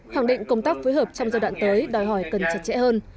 hoàng định công tác phối hợp trong giai đoạn tới đòi hỏi cần chặt chẽ hơn